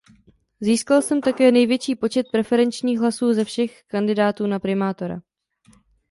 Získal jsem také největší počet preferenčních hlasů ze všech kandidátů na primátora.